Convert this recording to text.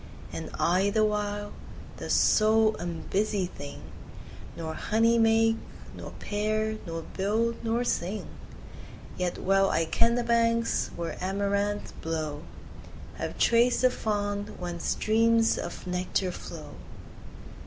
And I, the while, the sole unbusy thing, 5 Nor honey make, nor pair, nor build, nor sing. Yet well I ken the banks where amaranths blow, Have traced the fount whence streams of nectar flow.